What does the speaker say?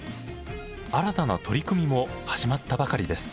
新たな取り組みも始まったばかりです。